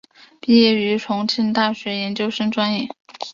毕业于重庆大学研究生专业。